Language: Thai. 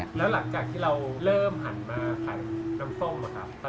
แล้วหลังจากที่เราเริ่มหันมาขายน้ำส้มอะครับ